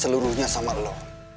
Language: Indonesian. seluruhnya sama lo